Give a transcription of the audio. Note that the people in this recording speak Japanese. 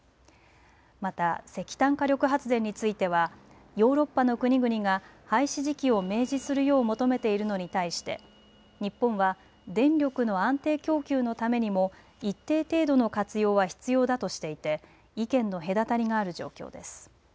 また石炭火力発電についてはヨーロッパの国々が廃止時期を明示するよう求めているのに対して日本は電力の安定供給のためにも一定程度の活用は必要だとしていて意見の隔たりがある状況です。